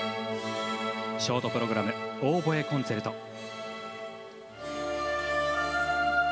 ショートプログラム、オーボエコンチェルト。